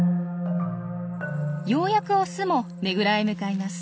ようやくオスもねぐらへ向かいます。